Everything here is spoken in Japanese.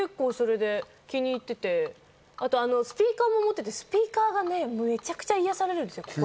なので結構、それで気に入っていて、あとスピーカーも持っていてスピーカーがめちゃくちゃ癒やされるんですよ。